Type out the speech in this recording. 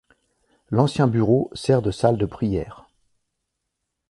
L'ancien bureau sert de salle de prière.